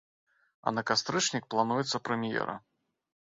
А на кастрычнік плануецца прэм'ера.